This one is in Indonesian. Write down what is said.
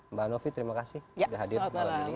mbak novi terima kasih sudah hadir malam ini